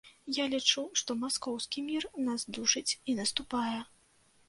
Я лічу, што маскоўскі мір нас душыць і наступае.